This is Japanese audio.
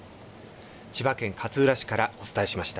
千葉県勝浦市からお伝えしました。